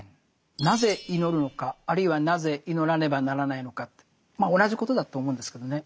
なぜ祈るのかあるいはなぜ祈らねばならないのかってまあ同じことだと思うんですけどね。